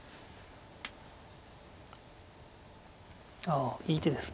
ああいい手です